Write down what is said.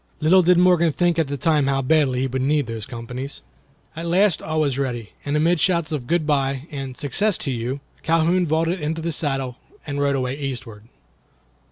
Little did Morgan think at the time how badly he would need those companies. At last all was ready, and amid shouts of "Good bye" and "Success to you," Calhoun vaulted into the saddle and rode away eastward.